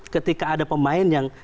ketika ada pemain yang